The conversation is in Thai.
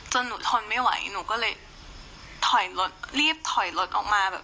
จนหนูทนไม่ไหวหนูก็เลยรีบถอยรถออกมา